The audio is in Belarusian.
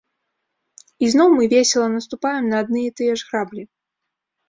І зноў мы весела наступаем на адны і тыя ж граблі.